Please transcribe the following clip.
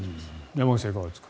山口さん、いかがですか。